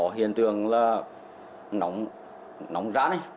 hiện tượng là nóng rát ấy